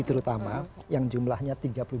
terutama yang jumlahnya